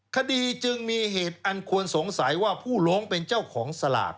คดีจึงมีเหตุอันควรสงสัยว่าผู้ร้องเป็นเจ้าของสลาก